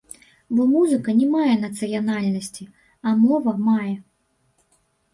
Бо музыка не мае нацыянальнасці, а мова мае.